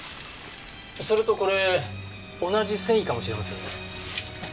それとこれ同じ繊維かもしれませんね。